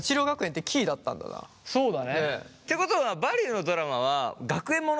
そうだね。ってことは「バリュー」のドラマは学園物ってこと？